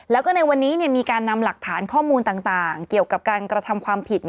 แล้วก็ในวันนี้มีการนำหลักฐานข้อมูลต่างเกี่ยวกับการกระทำความผิด